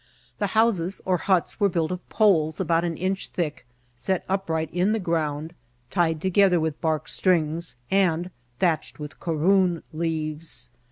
The houses or huts were built of poles about an inch thick, set upright in the ground, tied together with bark strings, and thatched with coroon leaves.